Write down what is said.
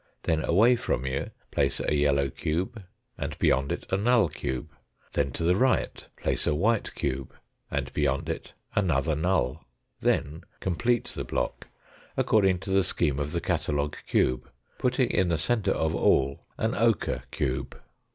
Then away from you place a yellow cube, and beyond it a null cube. Then to the right place a white cube and beyond it another null. Then complete the block, according to the scheme of the catalogue cube, putting in the centre of all an ochre cube.